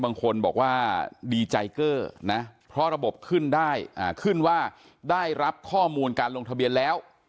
บางคนบอกว่าดีใจเกอร์นะเพราะระบบขึ้นได้ขึ้นว่าได้รับข้อมูลการลงทะเบียนแล้ว